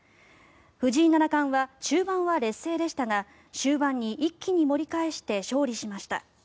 藤井七冠は中盤は劣勢でしたが終盤に一気に盛り返して勝利しました。